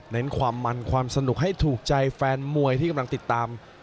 ความมันความสนุกให้ถูกใจแฟนมวยที่กำลังติดตาม